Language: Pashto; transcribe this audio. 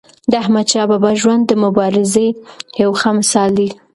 د احمدشاه بابا ژوند د مبارزې یو ښه مثال دی.